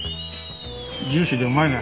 ジューシーでうまいね。